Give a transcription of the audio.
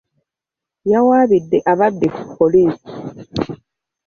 Yawaabidde ababbi ku poliisi.